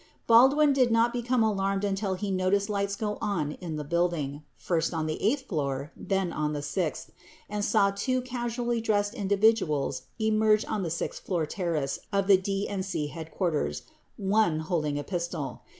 Baldwin did not become alarmed until he noticed lights go on in the building — first on the eighth floor, then on the sixth — and saw two casually dressed individuals emerge on the sixth floor terrace of the DNC headquarters, one holding a pistol.